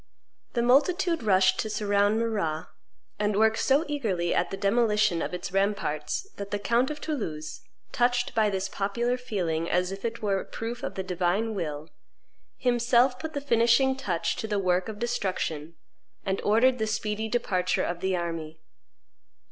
The multitude rushed to surround Marrah, and worked so eagerly at the demolition of its ramparts that the count of Toulouse, touched by this popular feeling as if it were a proof of the divine will, himself put the finishing touch to the work of destruction and ordered the speedy departure of the army.